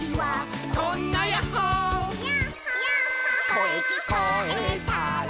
「こえきこえたら」